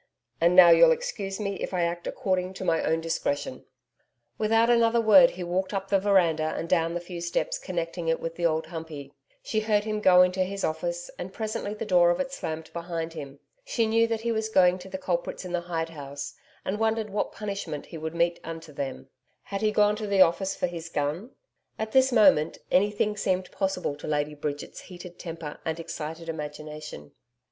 And now you'll excuse me if I act according to my own discretion.' Without another word he walked up the veranda and down the few steps connecting it with the Old Humpey. She heard him go into his office, and presently the door of it slammed behind him. She knew that he was going to the culprits in the hide house, and wondered what punishment he would mete unto them. Had he gone to the office for his gun? At this moment, anything seemed possible to Lady Bridget's heated temper and excited imagination.